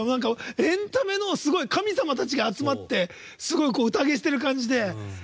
エンタメの神様たちが集まってすごい、うたげをしてる感じで。